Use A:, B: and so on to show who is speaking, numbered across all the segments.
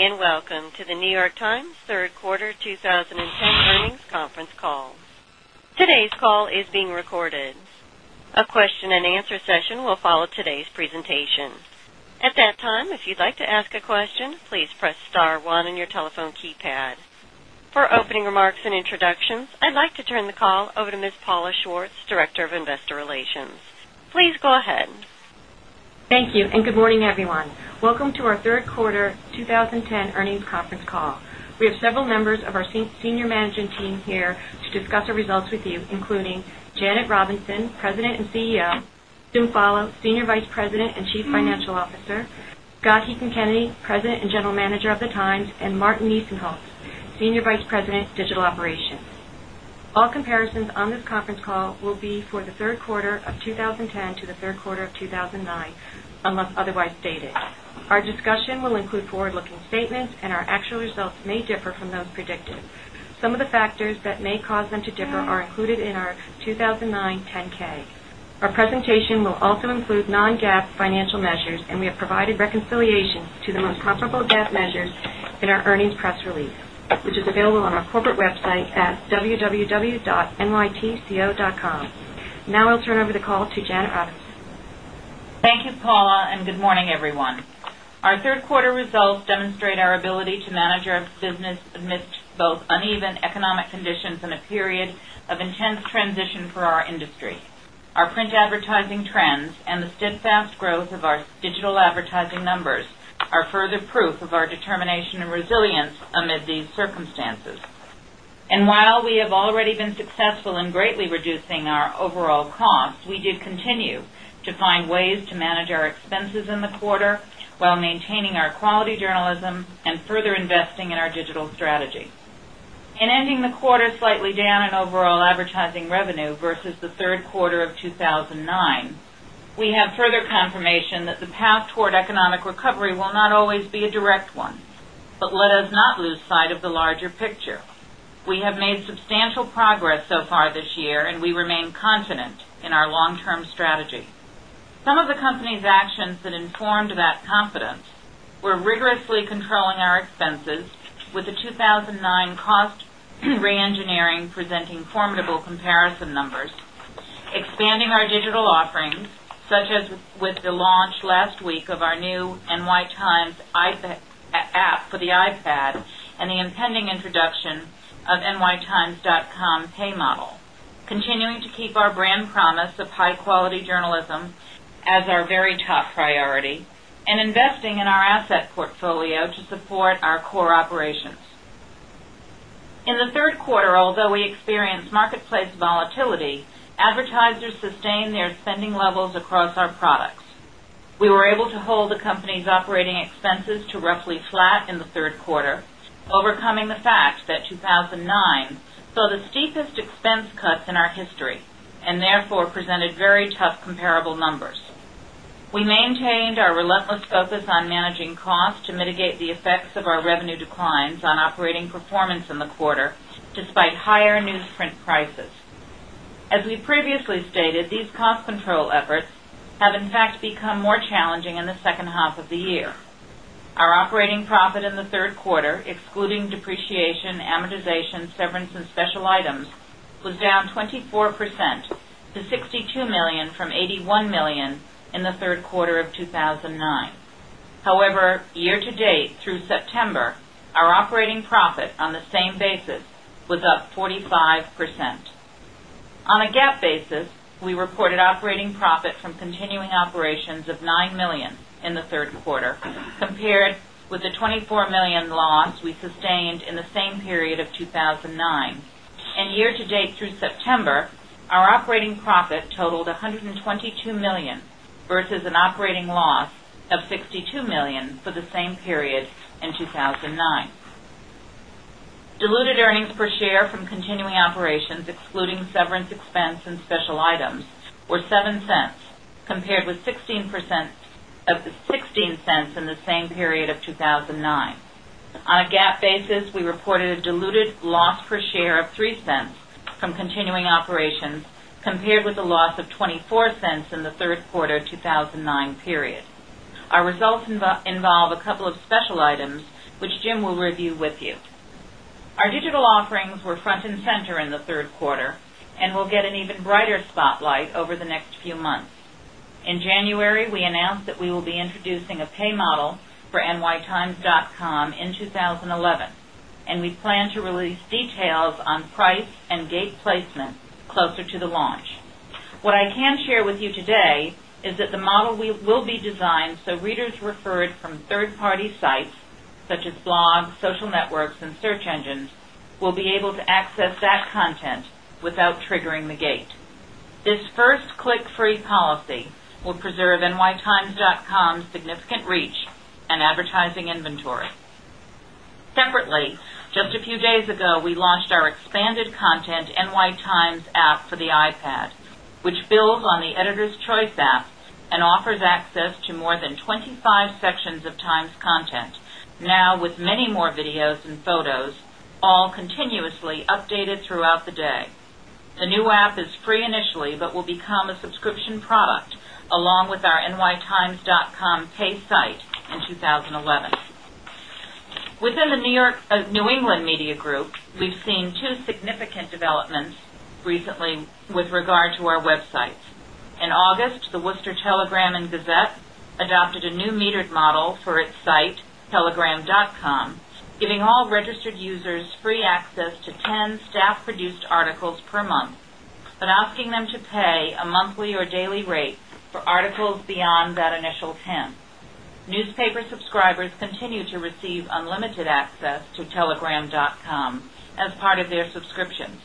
A: Good day, and welcome to The New York Times third quarter 2010 earnings conference call. Today's call is being recorded. A question and answer session will follow today's presentation. At that time, if you'd like to ask a question, please press star one on your telephone keypad. For opening remarks and introductions, I'd like to turn the call over to Ms. Paula Schwartz, Director of Investor Relations. Please go ahead.
B: Thank you, and good morning, everyone. Welcome to our third quarter 2010 earnings conference call. We have several members of our senior management team here to discuss our results with you, including Janet Robinson, President and CEO, Jim Follo, Senior Vice President and Chief Financial Officer, Scott Heekin-Canedy, President and General Manager of The Times, and Martin Nisenholtz, Senior Vice President, Digital Operations. All comparisons on this conference call will be for the third quarter of 2010 to the third quarter of 2009, unless otherwise stated. Our discussion will include forward-looking statements, and our actual results may differ from those predicted. Some of the factors that may cause them to differ are included in our 2009 10-K. Our presentation will also include non-GAAP financial measures, and we have provided reconciliation to the most comparable GAAP measures in our earnings press release, which is available on our corporate website at www.nytco.com. Now I'll turn over the call to Janet Robinson.
C: Thank you, Paula, and good morning, everyone. Our third quarter results demonstrate our ability to manage our business amidst both uneven economic conditions and a period of intense transition for our industry. Our print advertising trends and the steadfast growth of our digital advertising numbers are further proof of our determination and resilience amid these circumstances. While we have already been successful in greatly reducing our overall costs, we did continue to find ways to manage our expenses in the quarter while maintaining our quality journalism and further investing in our digital strategy. In ending the quarter slightly down in overall advertising revenue versus the third quarter of 2009, we have further confirmation that the path toward economic recovery will not always be a direct one. Let us not lose sight of the larger picture. We have made substantial progress so far this year, and we remain confident in our long-term strategy. Some of the company's actions that informed that confidence were rigorously controlling our expenses with the 2009 cost reengineering presenting formidable comparison numbers, expanding our digital offerings, such as with the launch last week of our new NYTimes app for the iPad, and the impending introduction of nytimes.com pay model, continuing to keep our brand promise of high-quality journalism as our very top priority, and investing in our asset portfolio to support our core operations. In the third quarter, although we experienced marketplace volatility, advertisers sustained their spending levels across our products. We were able to hold the company's operating expenses to roughly flat in the third quarter, overcoming the fact that 2009 saw the steepest expense cuts in our history and therefore presented very tough comparable numbers. We maintained our relentless focus on managing costs to mitigate the effects of our revenue declines on operating performance in the quarter, despite higher newsprint prices. As we previously stated, these cost control efforts have, in fact, become more challenging in the second half of the year. Our operating profit in the third quarter, excluding depreciation, amortization, severance, and special items, was down 24% to $62 million from $81 million in the third quarter of 2009. However, year-to-date through September, our operating profit on the same basis was up 45%. On a GAAP basis, we reported operating profit from continuing operations of $9 million in the third quarter compared with the $24 million loss we sustained in the same period of 2009. Year-to-date through September, our operating profit totaled $122 million versus an operating loss of $62 million for the same period in 2009. Diluted earnings per share from continuing operations, excluding severance expense and special items, were $0.07, compared with $0.16 in the same period of 2009. On a GAAP basis, we reported a diluted loss per share of $0.03 from continuing operations, compared with a loss of $0.24 in the third quarter 2009 period. Our results involve a couple of special items which Jim will review with you. Our digital offerings were front and center in the third quarter and will get an even brighter spotlight over the next few months. In January, we announced that we will be introducing a pay model for nytimes.com in 2011, and we plan to release details on price and gate placement closer to the launch. What I can share with you today is that the model will be designed so readers referred from third-party sites such as blogs, social networks, and search engines will be able to access that content without triggering the gate. This First Click Free policy will preserve nytimes.com's significant reach and advertising inventory. Separately, just a few days ago, we launched our expanded content NYTimes app for the iPad, which builds on the NYT Editor's Choice app and offers access to more than 25 sections of Times content, now with many more videos and photos, all continuously updated throughout the day. The new app is free initially, but will become a subscription product along with our nytimes.com paid site in 2011. Within the New England Media Group, we've seen two significant developments recently with regard to our websites. In August, the Worcester Telegram & Gazette adopted a new metered model for its site, telegram.com, giving all registered users free access to 10 staff-produced articles per month, but asking them to pay a monthly or daily rate for articles beyond that initial 10. Newspaper subscribers continue to receive unlimited access to telegram.com as part of their subscriptions.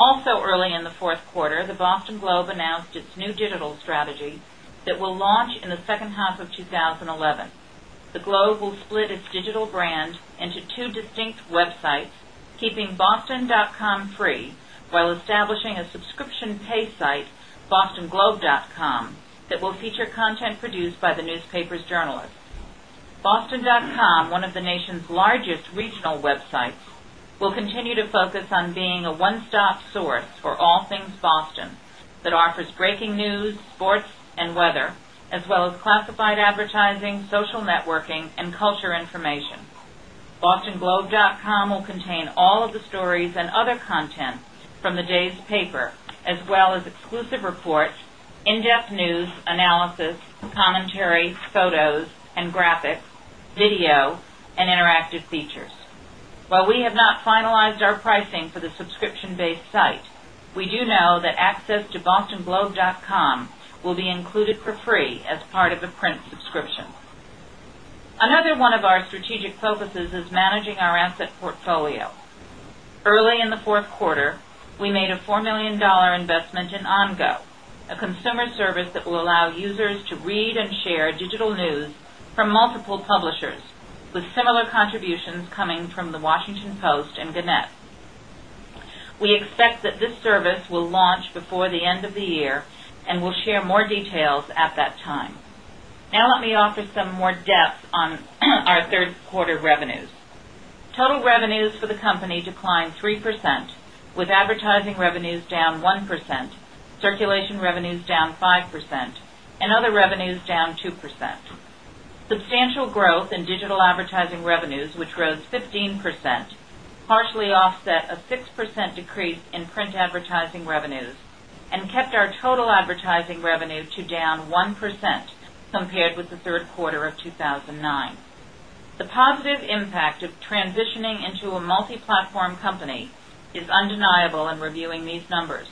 C: Also, early in the fourth quarter, The Boston Globe announced its new digital strategy that will launch in the second half of 2011. The Globe will split its digital brand into two distinct websites, keeping boston.com free while establishing a subscription pay site, bostonglobe.com, that will feature content produced by the newspaper's journalists. Boston.com, one of the nation's largest regional websites, will continue to focus on being a one-stop source for all things Boston that offers breaking news, sports, and weather, as well as classified advertising, social networking, and culture information. Bostonglobe.com will contain all of the stories and other content from the day's paper, as well as exclusive reports, in-depth news analysis, commentary, photos and graphics, video, and interactive features. While we have not finalized our pricing for the subscription-based site, we do know that access to bostonglobe.com will be included for free as part of a print subscription. Another one of our strategic focuses is managing our asset portfolio. Early in the fourth quarter, we made a $4 million investment in Ongo, a consumer service that will allow users to read and share digital news from multiple publishers, with similar contributions coming from The Washington Post and Gannett. We expect that this service will launch before the end of the year and will share more details at that time. Now let me offer some more depth on our third quarter revenues. Total revenues for the company declined 3%, with advertising revenues down 1%, circulation revenues down 5%, and other revenues down 2%. Substantial growth in digital advertising revenues, which rose 15%, partially offset a 6% decrease in print advertising revenues and kept our total advertising revenue down 1% compared with the third quarter of 2009. The positive impact of transitioning into a multi-platform company is undeniable in reviewing these numbers.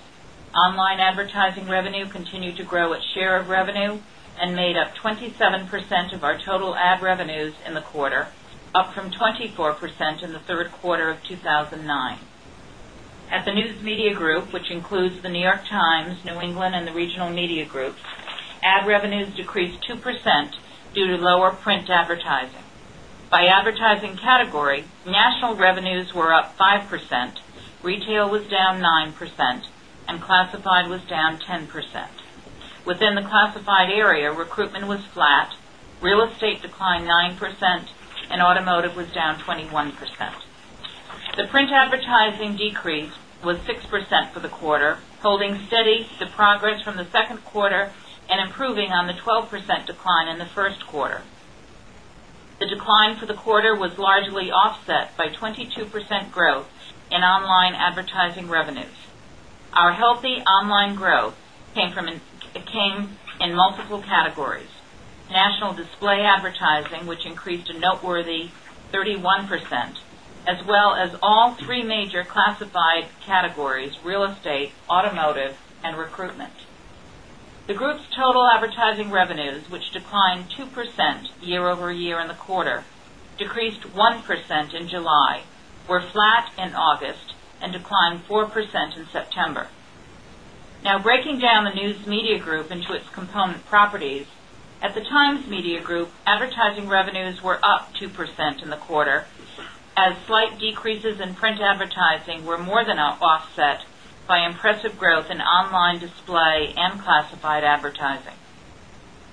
C: Online advertising revenue continued to grow its share of revenue and made up 27% of our total ad revenues in the quarter, up from 24% in the third quarter of 2009. At the News Media Group, which includes The New York Times, New England, and the Regional Media Group, ad revenues decreased 2% due to lower print advertising. By advertising category, national revenues were up 5%, retail was down 9%, and classified was down 10%. Within the classified area, recruitment was flat, real estate declined 9%, and automotive was down 21%. The print advertising decrease was 6% for the quarter, holding steady to progress from the second quarter and improving on the 12% decline in the first quarter. The decline for the quarter was largely offset by 22% growth in online advertising revenues. Our healthy online growth came in multiple categories, national display advertising, which increased a noteworthy 31%, as well as all three major classified categories, real estate, automotive, and recruitment. The group's total advertising revenues, which declined 2% year-over-year in the quarter, decreased 1% in July, were flat in August, and declined 4% in September. Now breaking down the News Media Group into its component properties. At the Times Media Group, advertising revenues were up 2% in the quarter as slight decreases in print advertising were more than offset by impressive growth in online display and classified advertising.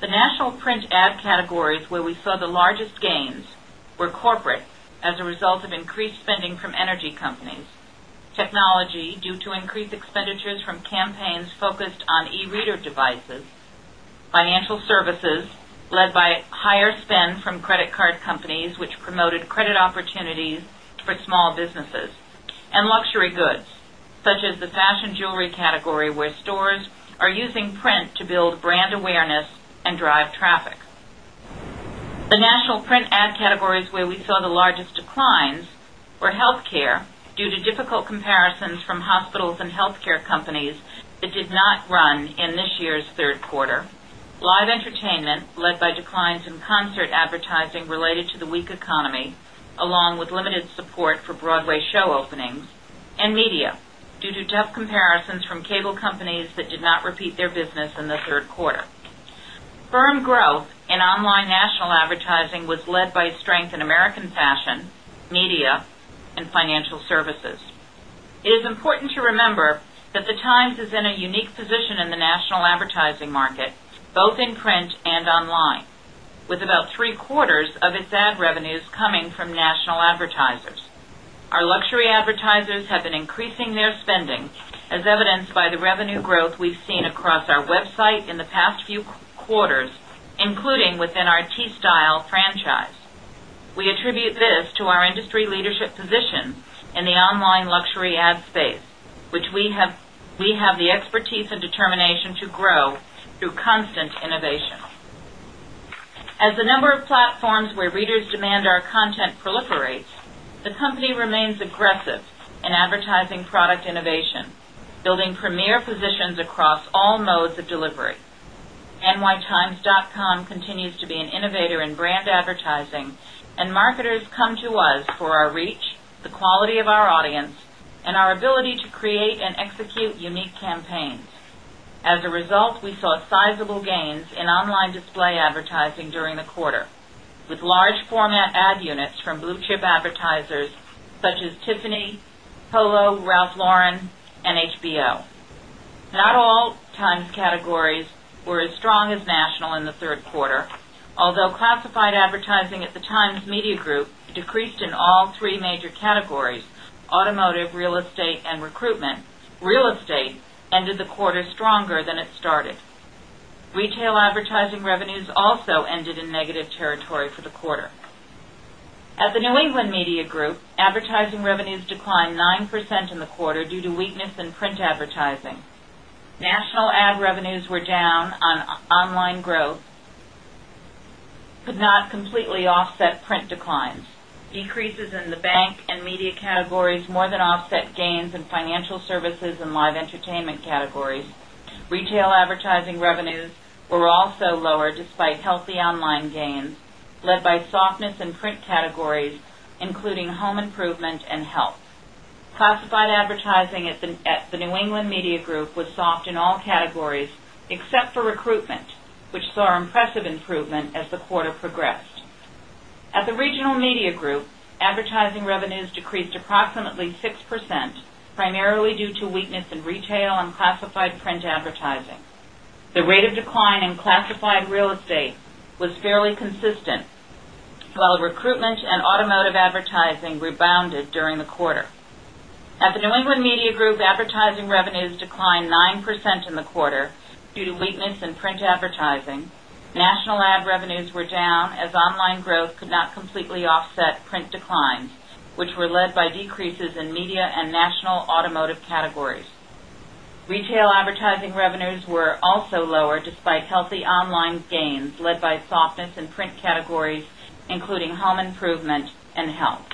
C: The national print ad categories where we saw the largest gains were corporate as a result of increased spending from energy companies, technology due to increased expenditures from campaigns focused on e-reader devices, financial services led by higher spend from credit card companies which promoted credit opportunities for small businesses, and luxury goods such as the fashion jewelry category where stores are using print to build brand awareness and drive traffic. The national print ad categories where we saw the largest declines were healthcare due to difficult comparisons from hospitals and healthcare companies that did not run in this year's third quarter. Live entertainment, led by declines in concert advertising related to the weak economy, along with limited support for Broadway show openings and media due to tough comparisons from cable companies that did not repeat their business in the third quarter. Strong growth in online national advertising was led by strength in American fashion, media, and financial services. It is important to remember that The Times is in a unique position in the national advertising market, both in print and online, with about three-quarters of its ad revenues coming from national advertisers. Our luxury advertisers have been increasing their spending as evidenced by the revenue growth we've seen across our website in the past few quarters, including within our T Magazine franchise. We attribute this to our industry leadership position in the online luxury ad space, which we have the expertise and determination to grow through constant innovation. As the number of platforms where readers demand our content proliferates, the company remains aggressive in advertising product innovation, building premier positions across all modes of delivery. Nytimes.com continues to be an innovator in brand advertising, and marketers come to us for our reach, the quality of our audience, and our ability to create and execute unique campaigns. As a result, we saw sizable gains in online display advertising during the quarter, with large format ad units from blue-chip advertisers such as Tiffany, Polo, Ralph Lauren, and HBO. Not all Times categories were as strong as national in the third quarter, although classified advertising at The New York Times Media Group decreased in all three major categories, automotive, real estate, and recruitment. Real estate ended the quarter stronger than it started. Retail advertising revenues also ended in negative territory for the quarter. At The New England Media Group, advertising revenues declined 9% in the quarter due to weakness in print advertising. National ad revenues were down, but online growth could not completely offset print declines. Decreases in the bank and media categories more than offset gains in financial services and live entertainment categories. Retail advertising revenues were also lower despite healthy online gains, led by softness in print categories including home improvement and health. Classified advertising at The New England Media Group was soft in all categories except for recruitment, which saw impressive improvement as the quarter progressed. At the Regional Media Group, advertising revenues decreased approximately 6%, primarily due to weakness in retail and classified print advertising. The rate of decline in classified real estate was fairly consistent, while recruitment and automotive advertising rebounded during the quarter. At the New England Media Group, advertising revenues declined 9% in the quarter due to weakness in print advertising. National ad revenues were down as online growth could not completely offset print declines, which were led by decreases in media and national automotive categories. Retail advertising revenues were also lower despite healthy online gains led by softness in print categories, including home improvement and health.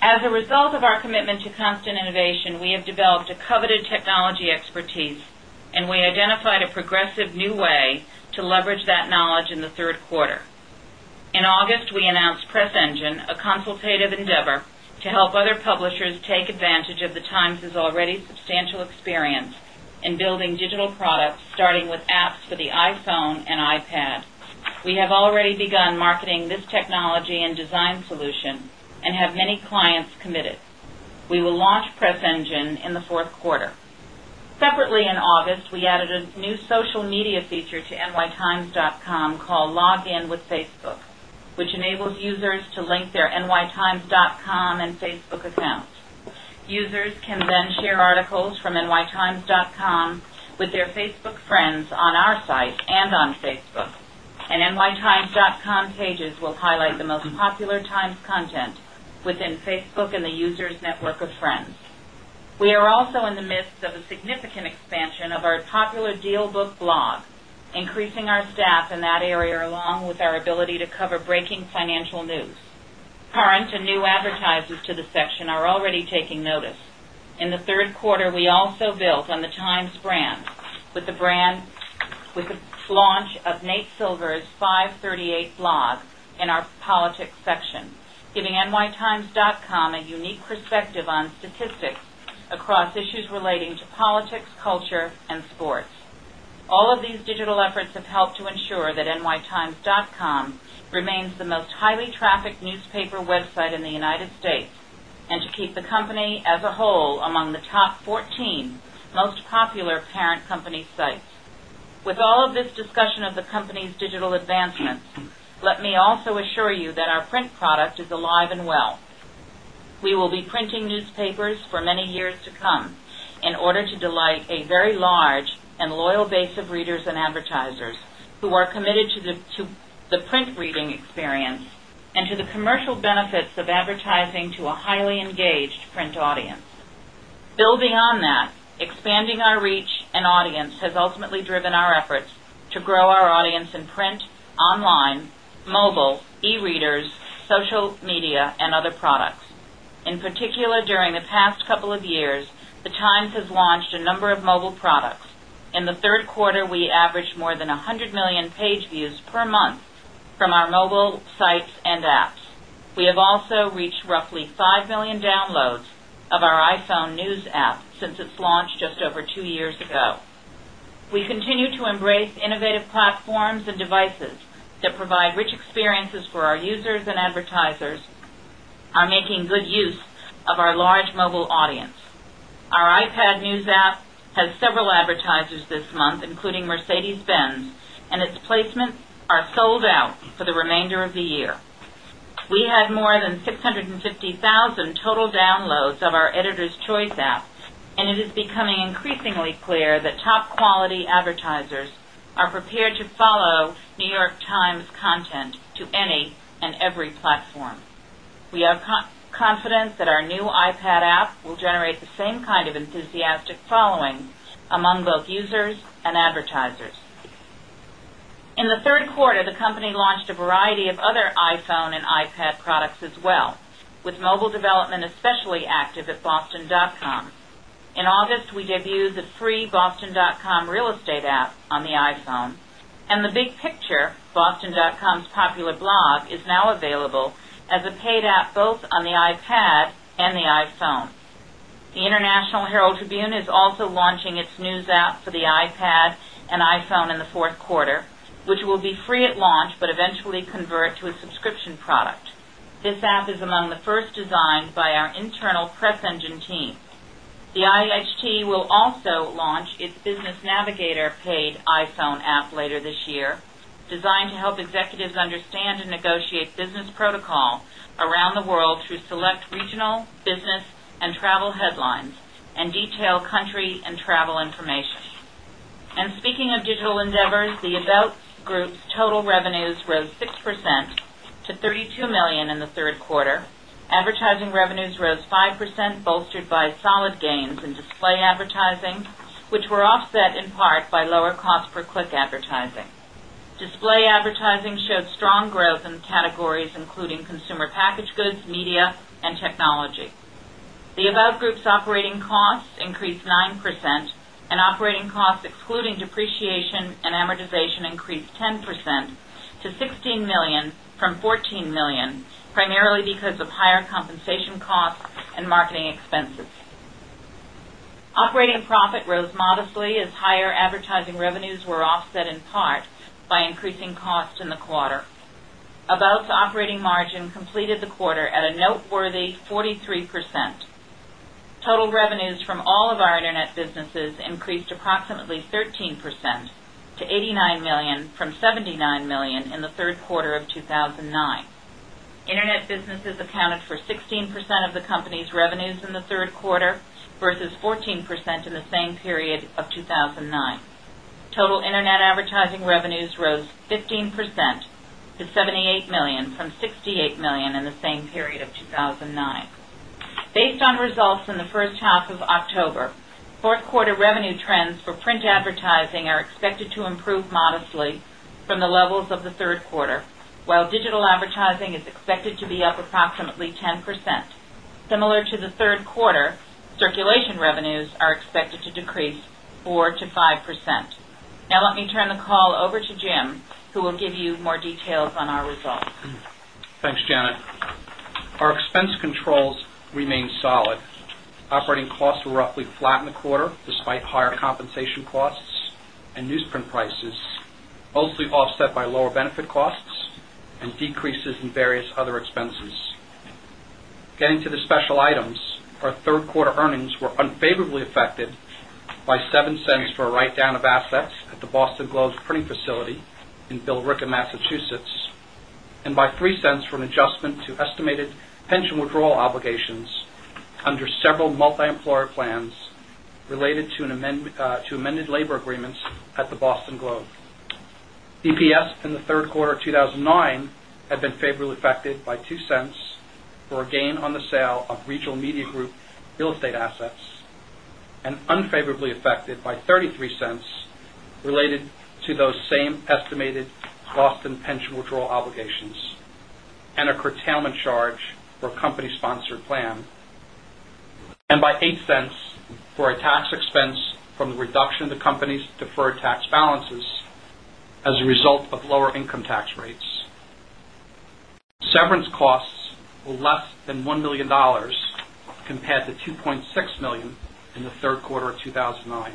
C: As a result of our commitment to constant innovation, we have developed a coveted technology expertise, and we identified a progressive new way to leverage that knowledge in the third quarter. In August, we announced Press Engine, a consultative endeavor to help other publishers take advantage of The Times' already substantial experience in building digital products, starting with apps for the iPhone and iPad. We have already begun marketing this technology and design solution and have many clients committed. We will launch Press Engine in the fourth quarter. Separately, in August, we added a new social media feature to nytimes.com called Log In with Facebook, which enables users to link their nytimes.com and Facebook accounts. Users can then share articles from nytimes.com with their Facebook friends on our site and on Facebook. Nytimes.com pages will highlight the most popular Times content within Facebook and the user's network of friends. We are also in the midst of a significant expansion of our popular DealBook blog, increasing our staff in that area along with our ability to cover breaking financial news. Current and new advertisers to the section are already taking notice. In the third quarter, we also built on The Times brand with the launch of Nate Silver's FiveThirtyEight blog in our politics section, giving nytimes.com a unique perspective on statistics across issues relating to politics, culture, and sports. All of these digital efforts have helped to ensure that nytimes.com remains the most highly trafficked newspaper website in the United States and to keep the company, as a whole, among the top 14 most popular parent company sites. With all of this discussion of the company's digital advancements, let me also assure you that our print product is alive and well. We will be printing newspapers for many years to come in order to delight a very large and loyal base of readers and advertisers who are committed to the print reading experience and to the commercial benefits of advertising to a highly engaged print audience. Building on that, expanding our reach and audience has ultimately driven our efforts to grow our audience in print, online, mobile, e-readers, social media, and other products. In particular, during the past couple of years, The Times has launched a number of mobile products. In the third quarter, we averaged more than 100 million page views per month from our mobile sites and apps. We have also reached roughly 5 million downloads of our iPhone news app since its launch just over two years ago. We continue to embrace innovative platforms and devices that provide rich experiences for our users and advertisers, are making good use of our large mobile audience. Our iPad news app has several advertisers this month, including Mercedes-Benz, and its placements are sold out for the remainder of the year. We had more than 650,000 total downloads of our Editor's Choice app, and it is becoming increasingly clear that top-quality advertisers are prepared to follow New York Times content to any and every platform. We are confident that our new iPad app will generate the same kind of enthusiastic following among both users and advertisers. In the third quarter, the company launched a variety of other iPhone and iPad products as well, with mobile development especially active at Boston.com. In August, we debuted the free Boston.com real estate app on the iPhone. The Big Picture, Boston.com's popular blog, is now available as a paid app both on the iPad and the iPhone. The International Herald Tribune is also launching its news app for the iPad and iPhone in the fourth quarter, which will be free at launch but eventually convert to a subscription product. This app is among the first designed by our internal Press Engine team. The IHT will also launch its Business Navigator paid iPhone app later this year, designed to help executives understand and negotiate business protocol around the world through select regional, business, and travel headlines, and detail country and travel information. Speaking of digital endeavors, the About Group's total revenues rose 6% to $32 million in the third quarter. Advertising revenues rose 5%, bolstered by solid gains in display advertising, which were offset in part by lower cost per click advertising. Display advertising showed strong growth in categories including consumer packaged goods, media, and technology. The About Group's operating costs increased 9%, and operating costs excluding depreciation and amortization increased 10% to $16 million from $14 million, primarily because of higher compensation costs and marketing expenses. Operating profit rose modestly as higher advertising revenues were offset in part by increasing costs in the quarter. About's operating margin completed the quarter at a noteworthy 43%. Total revenues from all of our internet businesses increased approximately 13% to $89 million from $79 million in the third quarter of 2009. Internet businesses accounted for 16% of the company's revenues in the third quarter versus 14% in the same period of 2009. Total internet advertising revenues rose 15% to $78 million from $68 million in the same period of 2009. Based on results from the first half of October, fourth quarter revenue trends for print advertising are expected to improve modestly from the levels of the third quarter. While digital advertising is expected to be up approximately 10%. Similar to the third quarter, circulation revenues are expected to decrease 4%-5%. Now let me turn the call over to Jim, who will give you more details on our results.
D: Thanks, Janet. Our expense controls remain solid. Operating costs were roughly flat in the quarter, despite higher compensation costs and newsprint prices, mostly offset by lower benefit costs and decreases in various other expenses. Getting to the special items, our third quarter earnings were unfavorably affected by $0.07 for a write-down of assets at The Boston Globe's printing facility in Billerica, Massachusetts, and by $0.03 from an adjustment to estimated pension withdrawal obligations under several multi-employer plans related to amended labor agreements at The Boston Globe. EPS in the third quarter of 2009 had been favorably affected by $0.02 for a gain on the sale of Regional Media Group real estate assets and unfavorably affected by $0.33 related to those same estimated Boston pension withdrawal obligations and a curtailment charge for a company-sponsored plan. By $0.08 For a tax expense from the reduction of the company's deferred tax balances as a result of lower income tax rates. Severance costs were less than $1 million compared to $2.6 million in the third quarter of 2009.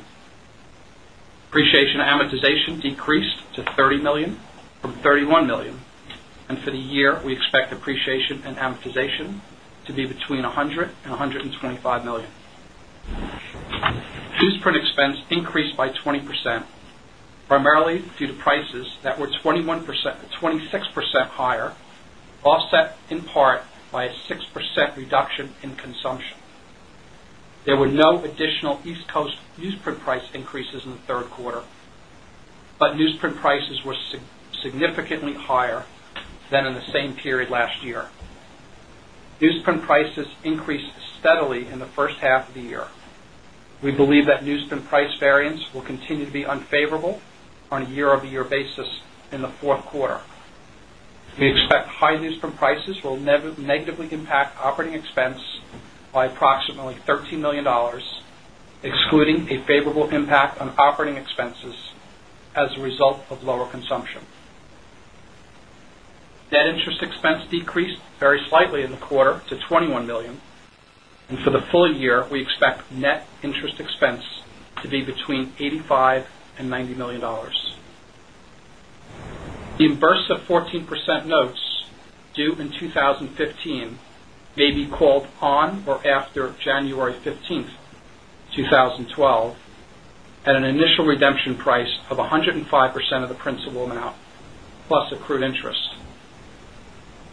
D: Depreciation and amortization decreased to $30 million from $31 million. For the year, we expect depreciation and amortization to be between $100 million and $125 million. Newsprint expense increased by 20%, primarily due to prices that were 26% higher, offset in part by a 6% reduction in consumption. There were no additional East Coast newsprint price increases in the third quarter, but newsprint prices were significantly higher than in the same period last year. Newsprint prices increased steadily in the first half of the year. We believe that newsprint price variance will continue to be unfavorable on a year-over-year basis in the fourth quarter. We expect high newsprint prices will negatively impact operating expense by approximately $13 million, excluding a favorable impact on operating expenses as a result of lower consumption. Net interest expense decreased very slightly in the quarter to $21 million. For the full year, we expect net interest expense to be between $85 million and $90 million. 14.053% senior notes due in 2015 may be called on or after January 15th, 2012, at an initial redemption price of 105% of the principal amount, plus accrued interest.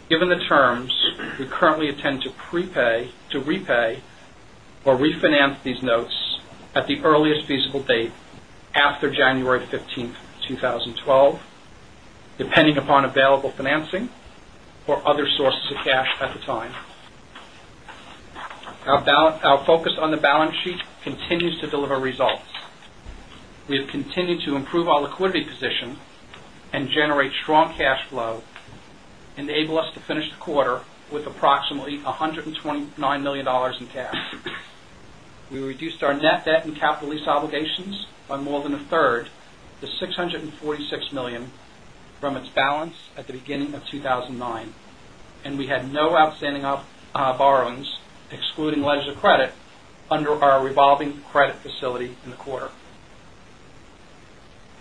D: Given the terms, we currently intend to prepay, to repay, or refinance these notes at the earliest feasible date after January 15th, 2012, depending upon available financing or other sources of cash at the time. Our focus on the balance sheet continues to deliver results. We have continued to improve our liquidity position and generate strong cash flow, enabling us to finish the quarter with approximately $129 million in cash. We reduced our net debt and capital lease obligations by more than a third to $646 million from its balance at the beginning of 2009, and we had no outstanding borrowings, excluding letters of credit, under our revolving credit facility in the quarter.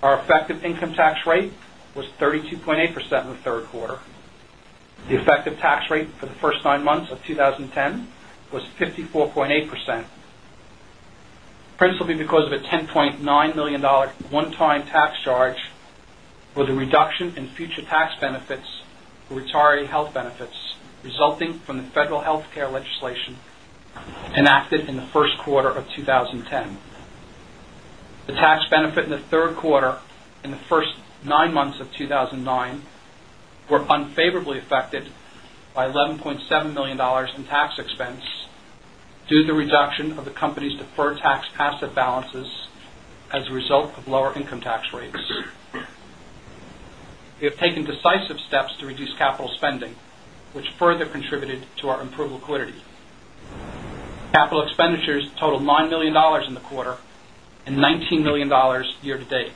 D: Our effective income tax rate was 32.8% in the third quarter. The effective tax rate for the first nine months of 2010 was 54.8%, principally because of a $10.9 million one-time tax charge for the reduction in future tax benefits for retiree health benefits resulting from the federal healthcare legislation enacted in the first quarter of 2010. The tax benefit in the third quarter and the first nine months of 2009 were unfavorably affected by $11.7 million in tax expense due to the reduction of the company's deferred tax asset balances as a result of lower income tax rates. We have taken decisive steps to reduce capital spending, which further contributed to our improved liquidity. Capital expenditures totaled $9 million in the quarter and $19 million year-to-date.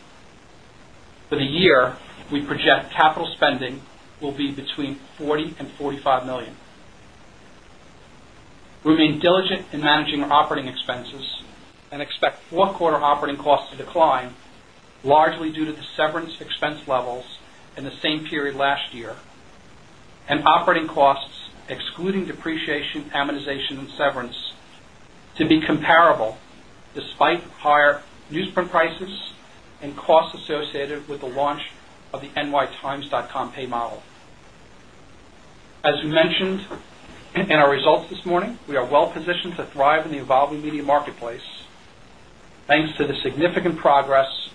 D: For the year, we project capital spending will be between $40 million and $45 million. We remain diligent in managing our operating expenses and expect fourth quarter operating costs to decline, largely due to the severance expense levels in the same period last year, and operating costs, excluding depreciation, amortization, and severance, to be comparable despite higher newsprint prices and costs associated with the launch of the nytimes.com pay model. As we mentioned in our results this morning, we are well positioned to thrive in the evolving media marketplace, thanks to the significant progress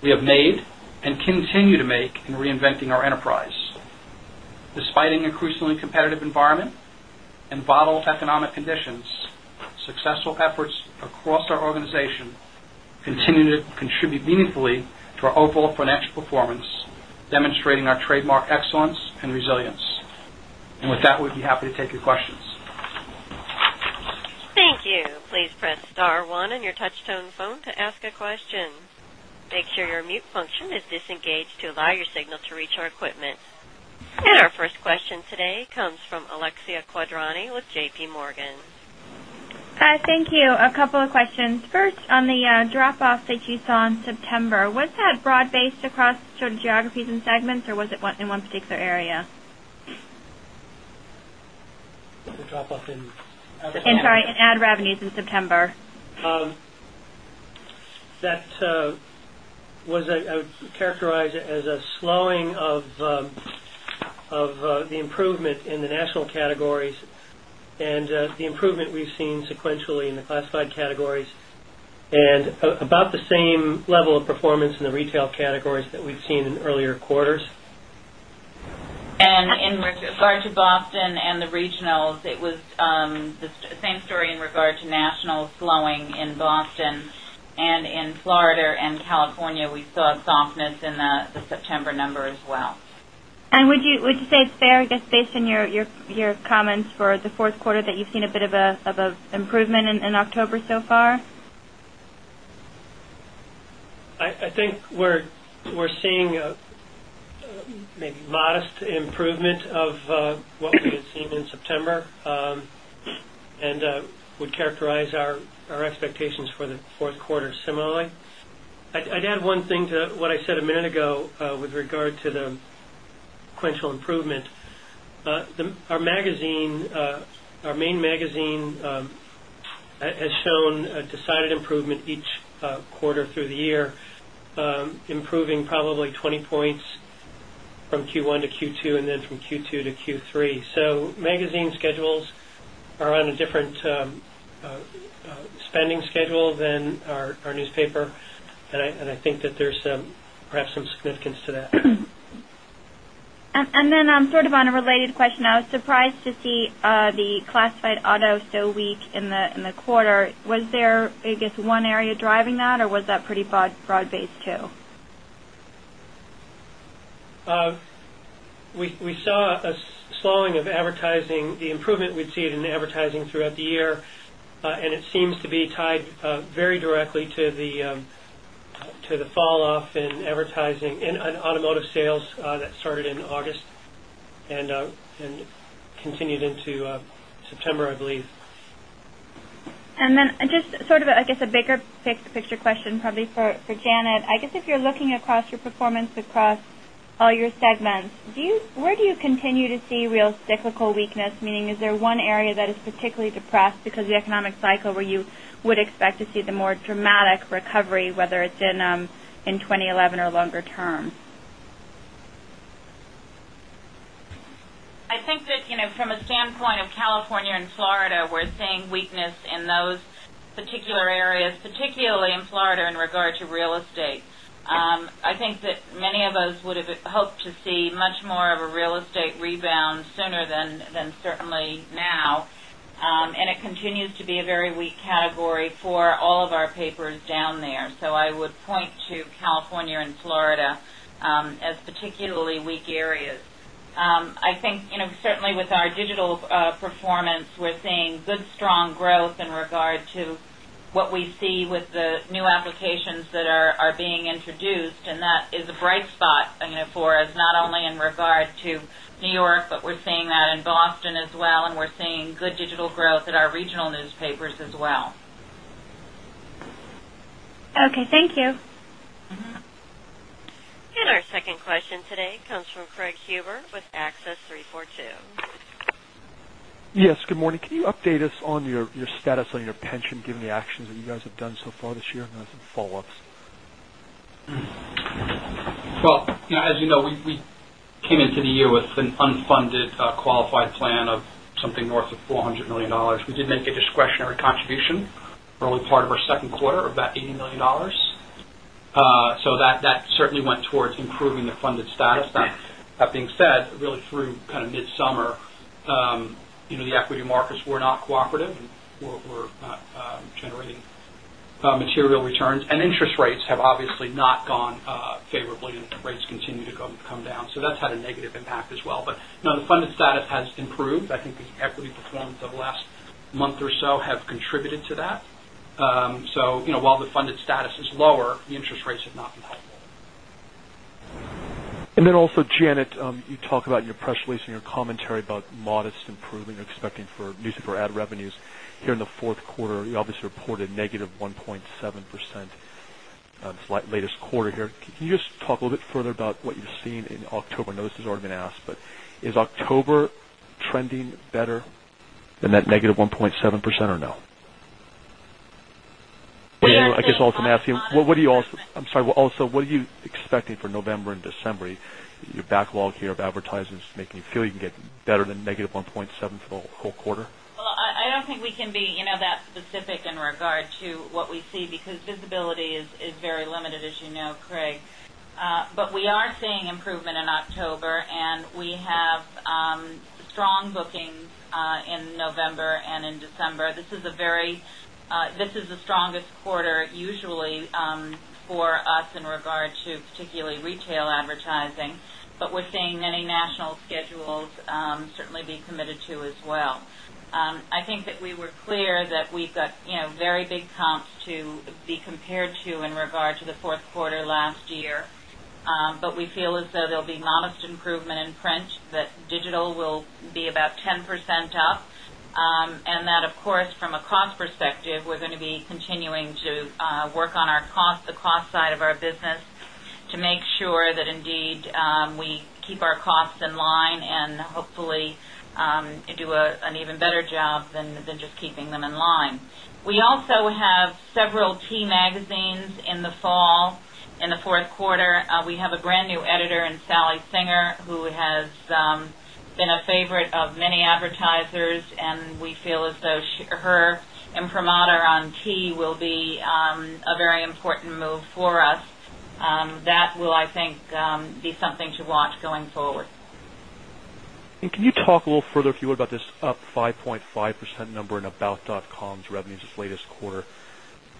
D: we have made and continue to make in reinventing our enterprise. Despite an increasingly competitive environment and volatile economic conditions, successful efforts across our organization continue to contribute meaningfully to our overall financial performance, demonstrating our trademark excellence and resilience. With that, we'd be happy to take your questions.
A: Thank you. Please press star one on your touch-tone phone to ask a question. Make sure your mute function is disengaged to allow your signal to reach our equipment. Our first question today comes from Alexia Quadrani with JPMorgan.
E: Thank you. A couple of questions. First, on the drop-off that you saw in September, was that broad-based across geographies and segments, or was it in one particular area?
F: The drop-off in-
E: I'm sorry, in ad revenues in September.
F: That was characterized as a slowing of the improvement in the national categories and the improvement we've seen sequentially in the classified categories and about the same level of performance in the retail categories that we've seen in earlier quarters.
C: In regard to Boston and the regionals, it was the same story in regard to national slowing in Boston and in Florida and California. We saw a softness in the September number as well.
E: Would you say it's fair, just based on your comments for the fourth quarter, that you've seen a bit of an improvement in October so far?
F: I think we're seeing a maybe modest improvement of what we had seen in September and would characterize our expectations for the fourth quarter similarly. I'd add one thing to what I said a minute ago with regard to the sequential improvement. Our main magazine has shown a decided improvement each quarter through the year, improving probably 20 points from Q1-Q2 and then from Q2-Q3. Magazine schedules are on a different spending schedule than our newspaper, and I think that there's perhaps some significance to that.
E: Then on sort of a related question, I was surprised to see the classified auto so weak in the quarter. Was there, I guess, one area driving that, or was that pretty broad-based, too?
F: We saw a slowing of advertising, the improvement we'd seen in advertising throughout the year, and it seems to be tied very directly to the fall off in advertising and automotive sales that started in August and continued into September, I believe.
E: just sort of a bigger picture question probably for Janet. I guess if you're looking across your performance across all your segments, where do you continue to see real cyclical weakness? Meaning, is there one area that is particularly depressed because of the economic cycle where you would expect to see the more dramatic recovery, whether it's in 2011 or longer term?
C: I think that from a standpoint of California and Florida, we're seeing weakness in those particular areas, particularly in Florida in regard to real estate. I think that many of us would have hoped to see much more of a real estate rebound sooner than certainly now. It continues to be a very weak category for all of our papers down there. I would point to California and Florida as particularly weak areas. I think, certainly with our digital performance, we're seeing good, strong growth in regard to what we see with the new applications that are being introduced, and that is a bright spot for us, not only in regard to New York, but we're seeing that in Boston as well, and we're seeing good digital growth at our regional newspapers as well.
E: Okay. Thank you.
C: Mm-hmm.
A: Our second question today comes from Craig Huber with Access 342.
G: Yes, good morning. Can you update us on your status on your pension, given the actions that you guys have done so far this year? I have some follow-ups.
D: Well, as you know, we came into the year with an unfunded qualified plan of something north of $400 million. We did make a discretionary contribution, early part of our second quarter of about $80 million. That certainly went towards improving the funded status. That being said, really through midsummer, the equity markets were not cooperative and were not generating material returns. Interest rates have obviously not gone favorably, and rates continue to come down. That's had a negative impact as well. Now the funded status has improved. I think the equity performance of the last month or so has contributed to that. While the funded status is lower, the interest rates have not been helpful.
G: Janet, you talk about in your press release and your commentary about modest improvement you're expecting for newspaper ad revenues here in the fourth quarter. You obviously reported -1.7% latest quarter here. Can you just talk a little bit further about what you're seeing in October? I know this has already been asked, but is October trending better than that -1.7% or no? I guess also can ask you-
C: Yeah, I think modest improvement.
G: I'm sorry. Also, what are you expecting for November and December? Your backlog here of advertisers making you feel you can get better than -1.7% for the whole quarter?
C: Well, I don't think we can be that specific in regard to what we see because visibility is very limited, as you know, Craig. We are seeing improvement in October, and we have strong bookings in November and in December. This is the strongest quarter usually for us in regard to particularly retail advertising. We're seeing many national schedules certainly be committed to as well. I think that we were clear that we've got very big comps to be compared to in regard to the fourth quarter last year. We feel as though there'll be modest improvement in print, that digital will be about 10% up. That, of course, from a cost perspective, we're going to be continuing to work on the cost side of our business to make sure that indeed, we keep our costs in line and hopefully do an even better job than just keeping them in line. We also have several T Magazine in the fall, in the fourth quarter. We have a brand-new editor in Sally Singer, who has been a favorite of many advertisers, and we feel as though her imprimatur on T will be a very important move for us. That will, I think, be something to watch going forward.
G: Can you talk a little further, if you would, about this up 5.5% number in About.com's revenues this latest quarter?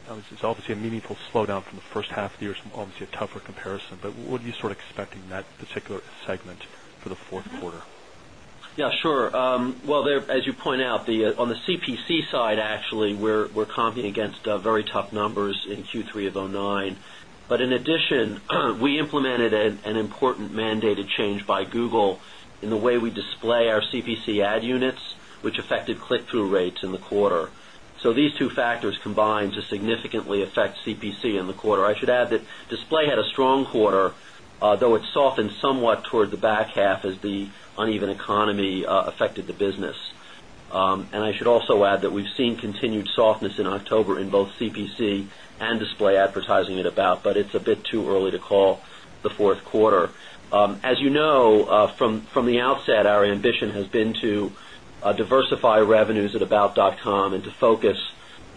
G: Obviously, it's a meaningful slowdown from the first half of the year, so obviously a tougher comparison. What are you sort of expecting in that particular segment for the fourth quarter?
H: Yeah, sure. Well, as you point out, on the CPC side, actually, we're comping against very tough numbers in Q3 of 2009. In addition, we implemented an important mandated change by Google in the way we display our CPC ad units, which affected click-through rates in the quarter. These two factors combined to significantly affect CPC in the quarter. I should add that display had a strong quarter, though it softened somewhat toward the back half as the uneven economy affected the business. I should also add that we've seen continued softness in October in both CPC and display advertising at About, but it's a bit too early to call the fourth quarter. As you know, from the outset, our ambition has been to diversify revenues at about.com and to focus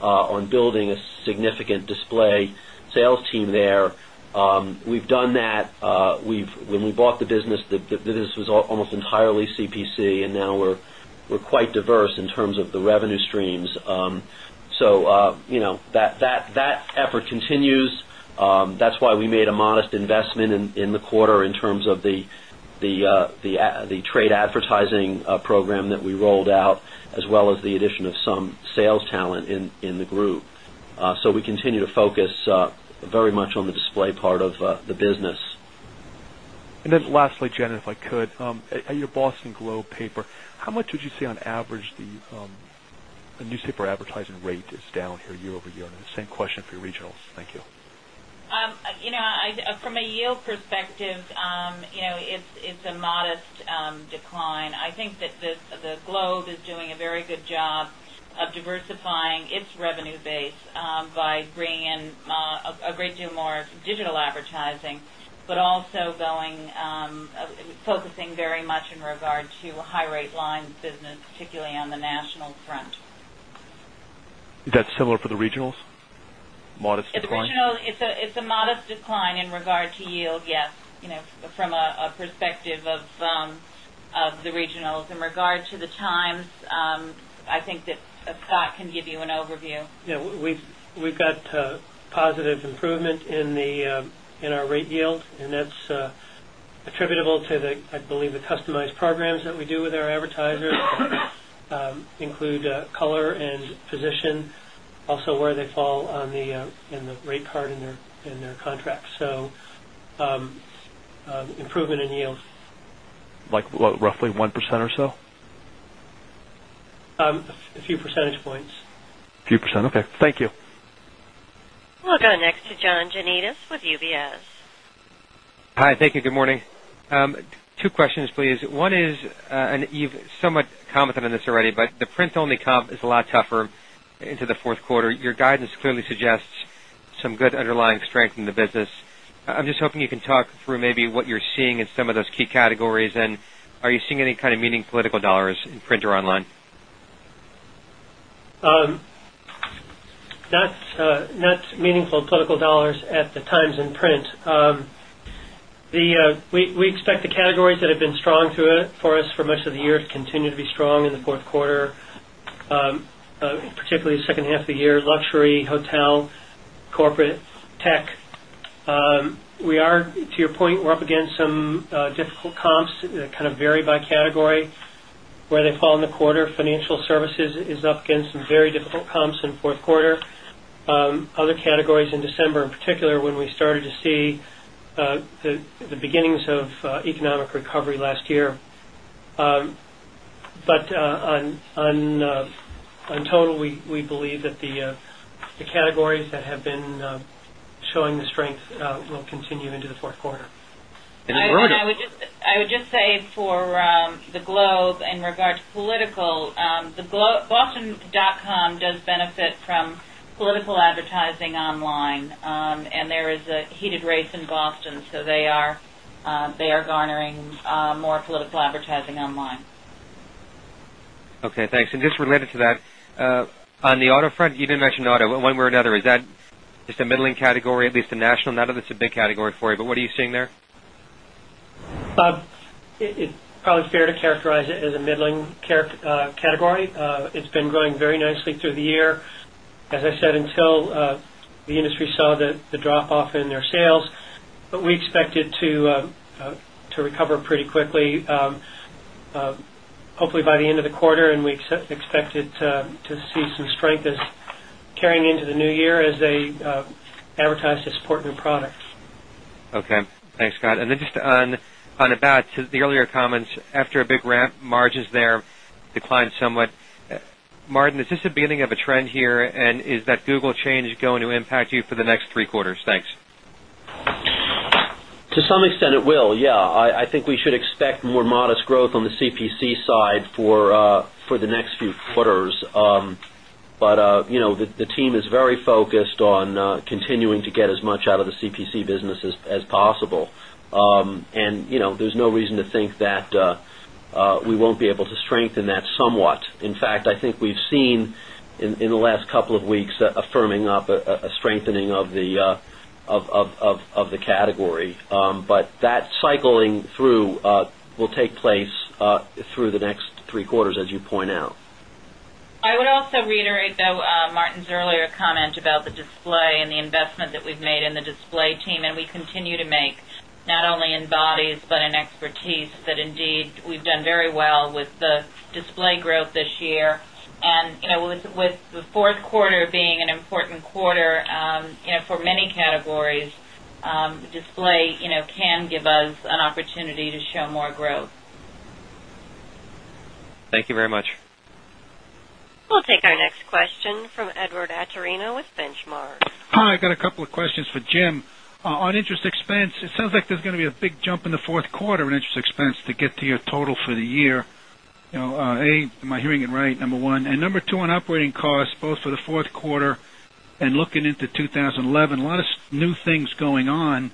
H: on building a significant display sales team there. We've done that. When we bought the business, the business was almost entirely CPC, and now we're quite diverse in terms of the revenue streams. That effort continues. That's why we made a modest investment in the quarter in terms of the trade advertising program that we rolled out, as well as the addition of some sales talent in the group. We continue to focus very much on the display part of the business.
G: Lastly, Janet, if I could, at your Boston Globe paper, how much would you say on average the newspaper advertising rate is down here year-over-year? The same question for your regionals. Thank you.
C: From a yield perspective, it's a modest decline. I think that The Globe is doing a very good job of diversifying its revenue base by bringing in a great deal more digital advertising, but also focusing very much in regard to high rate lines business, particularly on the national front.
G: Is that similar for the regionals? Modest decline?
C: At the regional, it's a modest decline in regard to yield, yes. From a perspective of the regionals. In regard to The Times, I think that Scott can give you an overview.
F: Yeah. We've got positive improvement in our rate yield, and that's attributable to, I believe, the customized programs that we do with our advertisers include color and position, also where they fall in the rate card in their contract. Improvement in yields.
G: Like roughly 1% or so?
F: A few percentage points.
G: A few percent. Okay. Thank you.
A: We'll go next to John Janedis with UBS.
I: Hi. Thank you. Good morning. Two questions, please. One is, and you've somewhat commented on this already, but the print-only comp is a lot tougher into the fourth quarter. Your guidance clearly suggests some good underlying strength in the business. I'm just hoping you can talk through maybe what you're seeing in some of those key categories, and are you seeing any kind of meaningful political dollars in print or online?
F: Not meaningful political dollars at The Times in print. We expect the categories that have been strong for us for much of the year to continue to be strong in the fourth quarter, particularly the second half of the year, luxury, hotel, corporate, tech. To your point, we're up against some difficult comps that kind of vary by category, where they fall in the quarter. Financial services is up against some very difficult comps in the fourth quarter. Other categories in December, in particular, when we started to see the beginnings of economic recovery last year. In total, we believe that the categories that have been showing the strength will continue into the fourth quarter.
I: And then the other-
C: I would just say for The Globe in regard to political, the boston.com does benefit from political advertising online. There is a heated race in Boston, so they are garnering more political advertising online.
I: Okay, thanks. Just related to that, on the auto front, you didn't mention auto one way or another. Is that just a middling category, at least in national? I know that's a big category for you, but what are you seeing there?
F: It's probably fair to characterize it as a middling category. It's been growing very nicely through the year, as I said, until the industry saw the drop-off in their sales. We expect it to recover pretty quickly, hopefully by the end of the quarter, and we expect it to see some strength as carrying into the new year as they advertise to support new products.
I: Okay. Thanks, Scott. Just on the back to the earlier comments, after a big ramp, margins there declined somewhat. Martin, is this the beginning of a trend here? Is that Google change going to impact you for the next three quarters? Thanks.
H: To some extent, it will, yeah. I think we should expect more modest growth on the CPC side for the next few quarters. The team is very focused on continuing to get as much out of the CPC business as possible. There's no reason to think that we won't be able to strengthen that somewhat. In fact, I think we've seen in the last couple of weeks, a firming up, a strengthening of the category. That cycling through will take place through the next three quarters, as you point out.
C: I would also reiterate, though, Martin's earlier comment about the display and the investment that we've made in the display team, and we continue to make, not only in bodies but in expertise, that indeed, we've done very well with the display growth this year. With the fourth quarter being an important quarter for many categories, display can give us an opportunity to show more growth.
I: Thank you very much.
A: We'll take our next question from Edward Atorino with Benchmark.
J: Hi, I got a couple of questions for Jim. On interest expense, it sounds like there's going to be a big jump in the fourth quarter in interest expense to get to your total for the year. Am I hearing it right? Number one. Number two, on operating costs, both for the fourth quarter and looking into 2011, a lot of new things going on.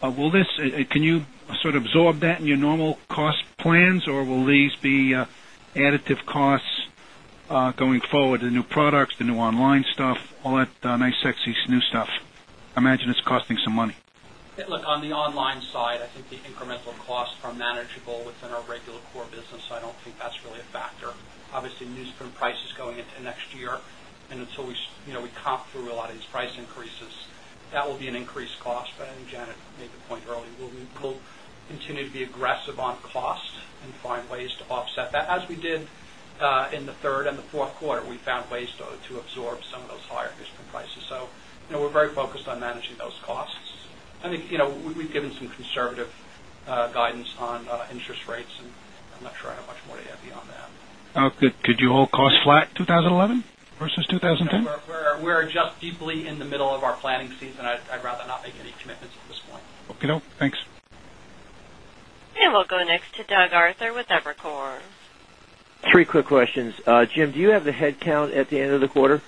J: Can you sort of absorb that in your normal cost plans, or will these be additive costs going forward? The new products, the new online stuff, all that nice, sexy new stuff. I imagine it's costing some money.
D: Look, on the online side, I think the incremental costs are manageable within our regular core business. I don't think that's really a factor. Obviously, newsprint prices going into next year, and until we comp through a lot of these price increases, that will be an increased cost. I think Janet made the point earlier, we'll continue to be aggressive on cost and find ways to offset that, as we did. In the third and the fourth quarter, we found ways to absorb some of those higher newsprint prices. We're very focused on managing those costs. I think we've given some conservative guidance on interest rates, and I'm not sure I have much more to add beyond that.
J: Could you hold cost flat 2011 versus 2010?
D: We're just deeply in the middle of our planning season. I'd rather not make any commitments at this point.
J: Okay, thanks.
A: We'll go next to Doug Arthur with Evercore.
K: Three quick questions. Jim, do you have the head count at the end of the quarter?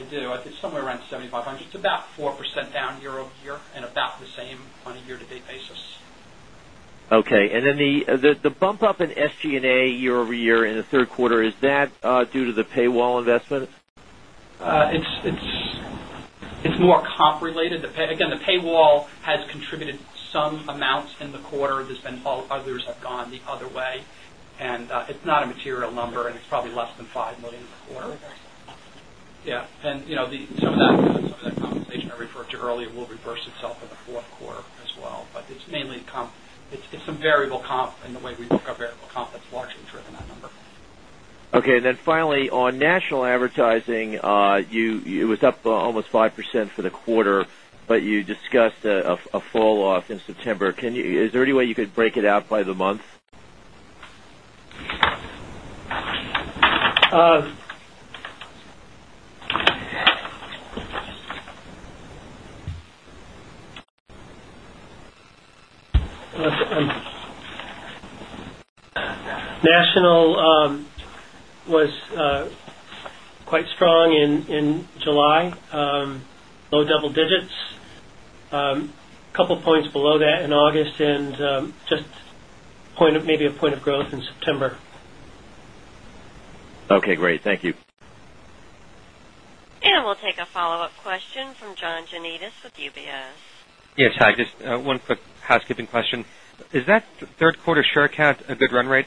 D: I do. I think somewhere around 7,500. It's about 4% down year-over-year, and about the same on a year-to-date basis.
K: Okay, the bump up in SG&A year-over-year in the third quarter, is that due to the paywall investment?
D: It's more comp related. Again, the paywall has contributed some amounts in the quarter. Others have gone the other way. It's not a material number, and it's probably less than $5 million in the quarter. Yeah, and some of that compensation I referred to earlier will reverse itself in the fourth quarter as well. It's some variable comp, and the way we book our variable comp, that's largely driven that number.
K: Okay, finally, on national advertising, it was up almost 5% for the quarter, but you discussed a fall-off in September. Is there any way you could break it out by the month?
D: National was quite strong in July. Low double digits%. A couple points below that in August, and just maybe a point of growth in September.
K: Okay, great. Thank you.
A: We'll take a follow-up question from John Janedis with UBS.
I: Yes, hi. Just one quick housekeeping question. Is that third quarter share count a good run rate?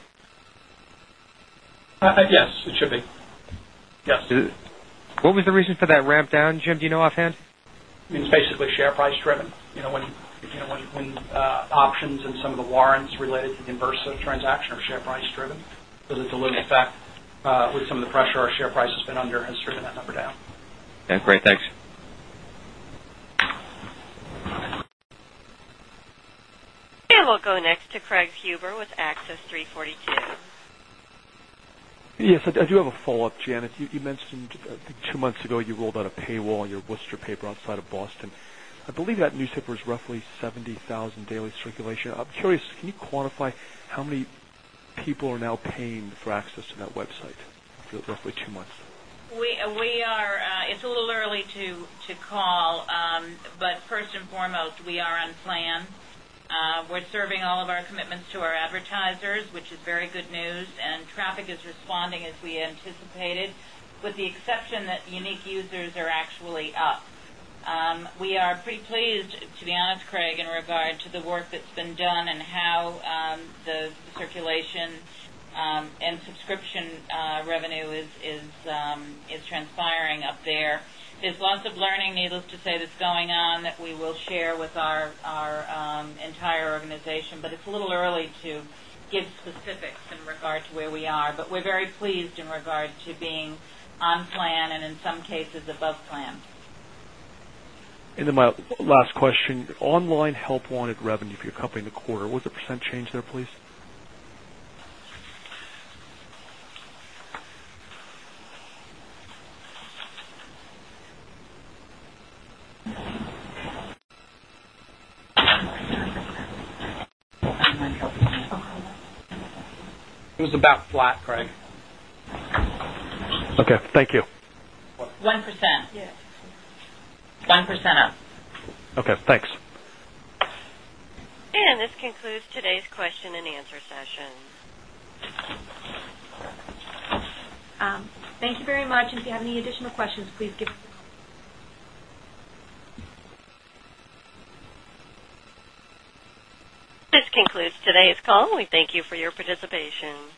D: Yes, it should be. Yes.
I: What was the reason for that ramp down, Jim, do you know offhand?
D: It's basically share price driven. When options and some of the warrants related to the Inversora transaction are share price driven, there's a little effect with some of the pressure our share price has been under has driven that number down.
I: Okay, great. Thanks.
A: We'll go next to Craig Huber with Access 342.
G: Yes, I do have a follow-up, Janet. You mentioned, I think two months ago, you rolled out a paywall on your Worcester paper outside of Boston. I believe that newspaper is roughly 70,000 daily circulation. I'm curious, can you quantify how many people are now paying for access to that website for roughly two months?
C: It's a little early to call. First and foremost, we are on plan. We're serving all of our commitments to our advertisers, which is very good news, and traffic is responding as we anticipated, with the exception that unique users are actually up. We are pretty pleased, to be honest, Craig, in regard to the work that's been done and how the circulation and subscription revenue is transpiring up there. There's lots of learning, needless to say, that's going on that we will share with our entire organization, but it's a little early to give specifics in regard to where we are. We're very pleased in regard to being on plan and in some cases, above plan.
G: My last question is online help-wanted revenue for your company in the quarter. What was the % change there, please?
D: It was about flat, Craig.
G: Okay, thank you.
C: 1%.
B: Yes.
C: 1% up.
G: Okay, thanks.
A: This concludes today's question and answer session.
B: Thank you very much. If you have any additional questions, please give us a call.
A: This concludes today's call. We thank you for your participation.